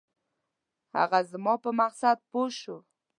هغه زما په مقصد پوی شو.